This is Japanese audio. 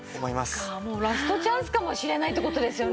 そっかもうラストチャンスかもしれないって事ですよね？